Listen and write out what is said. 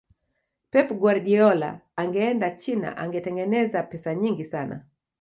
pep guardiola angeenda china angetengeneza pesa nyingi sana